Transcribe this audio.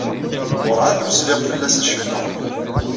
Werɛad ur sliɣ fell-as acemma.